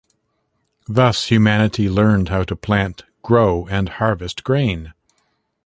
Thus, humanity learned how to plant, grow and harvest grain.